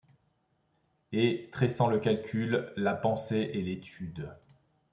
Et, tressant le calcul, la pensée et l’étude